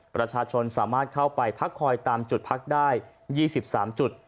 ประชาชนสามารถเข้าไปพักคอยตามจุดพักได้๒๓จุด